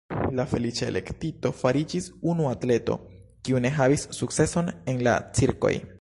La « feliĉa elektito » fariĝis unu atleto, kiu ne havis sukceson en la cirkoj.